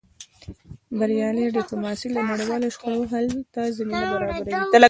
بریالۍ ډیپلوماسي د نړیوالو شخړو حل ته زمینه برابروي.